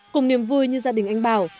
cùng niềm vui như gia đình anh bảo